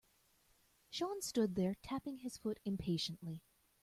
Sean stood there tapping his foot impatiently.